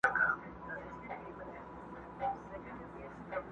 تاريخ يې ساتي په حافظه کي